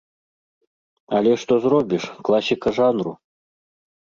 Але што зробіш, класіка жанру.